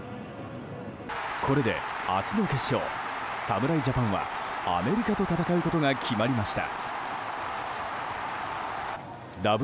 これで明日の決勝侍ジャパンはアメリカと戦うことが決まりました。